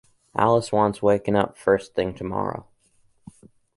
Alice wants waking up first thing tomorrow.